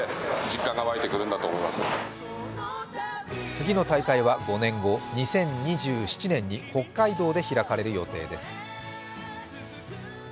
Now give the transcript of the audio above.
次の大会は５年後、２０２７年に北海道で開かれる予定です。